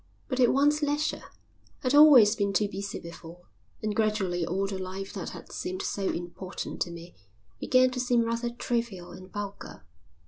But it wants leisure. I'd always been too busy before. And gradually all the life that had seemed so important to me began to seem rather trivial and vulgar.